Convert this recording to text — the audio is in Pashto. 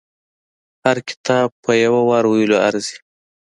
هر کتاب په يو وار ویلو ارزي.